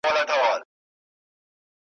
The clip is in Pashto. او له پاسه د ګیدړ په تماشې سو ,